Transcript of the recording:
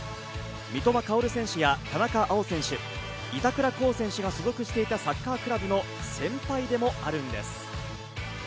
三笘薫選手や田中碧選手、板倉滉選手に所属していたサッカークラブの先輩でもあるんです。